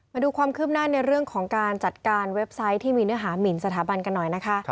มาดูความคืบหน้าในเรื่องของการจัดการเว็บไซต์ที่มีเนื้อหามินสถาบันกันหน่อยนะคะ